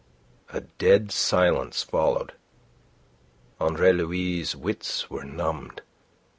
A dead silence followed. Andre Louis' wits were numbed.